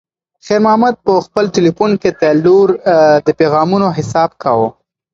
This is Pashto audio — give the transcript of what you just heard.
خیر محمد په خپل تلیفون کې د لور د پیغامونو حساب کاوه.